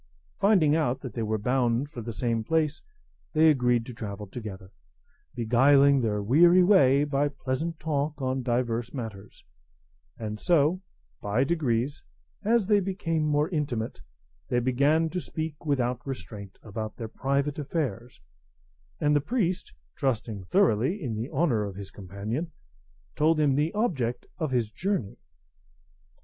Finding that they were bound for the same place, they agreed to travel together, beguiling their weary way by pleasant talk on divers matters; and so by degrees, as they became more intimate, they began to speak without restraint about their private affairs; and the priest, trusting thoroughly in the honour of his companion, told him the object of his journey.